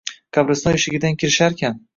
Qabriston eshigidan kirisharkan